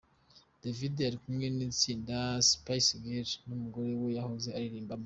David ari kumwe n'itsinda Spice Girls umugore we yahoze aririmbamo.